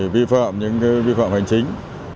vi phạm những cái vi phạm hành chính